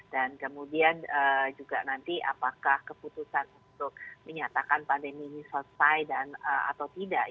dan kemudian juga nanti apakah keputusan untuk menyatakan pandemi ini selesai atau tidak